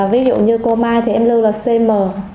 ví dụ như cô mai thì em lưu là cm